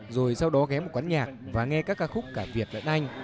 rồi sau đó ghém một quán nhạc và nghe các ca khúc cả việt lẫn anh